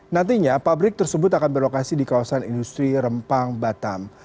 nantinya pabrik tersebut akan berlokasi di kawasan industri rempang batam